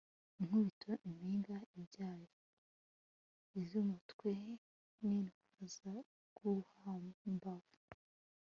inkubito impinga ibyaye izumutwe nitwaza Rwuhambavu